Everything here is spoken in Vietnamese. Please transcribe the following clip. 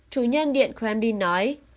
chủ nhân điện kremlin nói